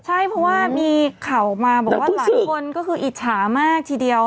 ใช่เพราะว่ามีข่าวออกมาบอกว่าหลายคนก็คืออิจฉามากทีเดียว